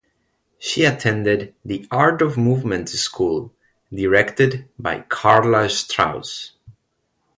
She attended the Art of Movement school directed by Carla Strauss.